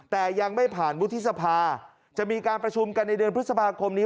แต่ยังไม่ผ่านวุฒิสภาจะมีการประชุมกันในเดือนพฤษภาคมนี้